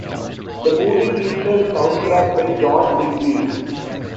The movie featured soundtrack by John Digweed.